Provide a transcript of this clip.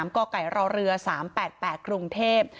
กไก่รอเรือ๓๘๘กรุงเทพฯ